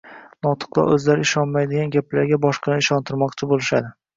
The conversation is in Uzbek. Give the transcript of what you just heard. Notiqlar o‘zlari ishonmaydigan gaplarga boshqalarni ishontirmoqchi bo‘lishadi